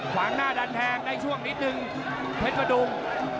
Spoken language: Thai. ขวางหน้าดันแทงในช่วงนิดนึงเพชรประดุง